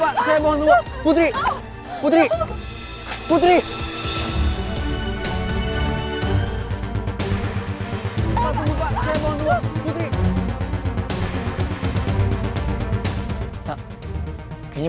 pak pak jangan bawa putri pergi pak